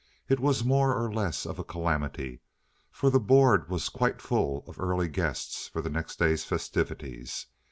It was more or less of a calamity, for the board was quite full of early guests for the next day's festivities.